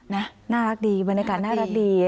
น่ารักดีบรรยากาศน่ารักดี